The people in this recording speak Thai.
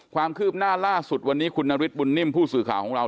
ความคืบหน้าล่าสุดวันนี้คุณนฤทธบุญนิ่มผู้สื่อข่าวของเรา